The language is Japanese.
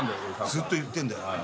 ずっと言ってんだよ。